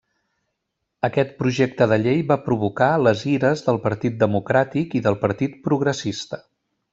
Aquest projecte de llei va provocar les ires del Partit Democràtic i del Partit Progressista.